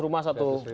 seratus rumah satu